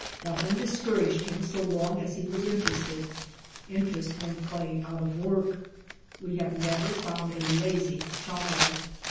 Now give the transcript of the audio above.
Nothing discouraged him so long as he was interested. In terest made play out of work. We have never found a lazy child.